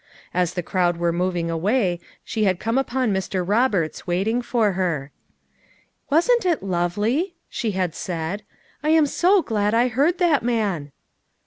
As the crowd were moving away she had come upon Mr. Eoberts waiting for her. "Wasn't it lovely?" she had said. "I am so glad I heard that man!"